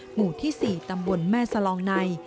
หมู่ที่๔ตำบลแม่สลองใน